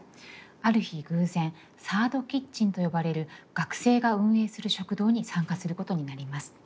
ある日偶然サード・キッチンと呼ばれる学生が運営する食堂に参加することになります。